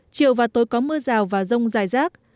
chiều và tối có mưa rào và rông dài rác